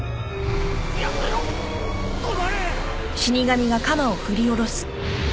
やめろ止まれ。